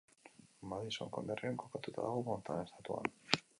Madison konderrian kokatuta dago, Montana estatuan.